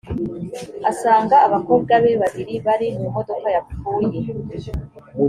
asanga abakobwa be babiri bari mu modoka yapfuye